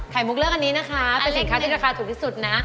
มุกเลือกอันนี้นะคะเป็นสินค้าที่ราคาถูกที่สุดนะ